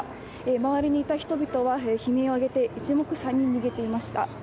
周りにいた人々は悲鳴を上げて一目散に逃げていました。